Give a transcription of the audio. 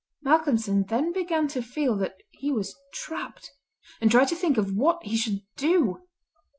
Malcolmson then began to feel that he was trapped, and tried to think of what he should do.